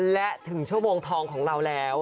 และถึงชั่วโมงทองของเราแล้ว